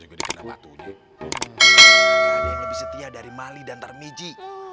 ada yang lebih setia dari mali dan tarmiji